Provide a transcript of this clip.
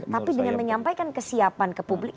tapi dengan menyampaikan kesiapan ke publik